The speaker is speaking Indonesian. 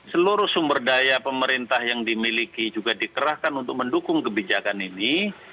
seluruh sumber daya pemerintah yang dimiliki juga dikerahkan untuk mendukung kebijakan ini